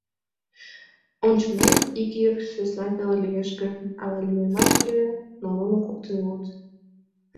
Ончылнем ик ир сӧсна веле лиеш гын, ала лӱемат ыле; но нуно коктын улыт.